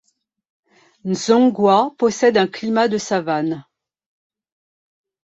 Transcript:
Nsongwa possède un climat de savane.